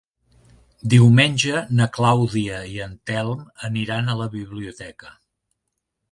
Diumenge na Clàudia i en Telm aniran a la biblioteca.